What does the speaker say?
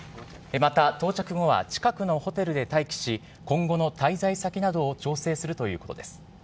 また、到着後は近くのホテルで待機し、今後の滞在先などを調整するということです。